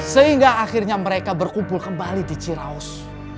sehingga akhirnya mereka berkumpul kembali di ciraus